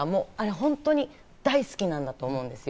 本当に大好きなんだと思うんですよ。